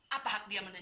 apa hak dia menjawab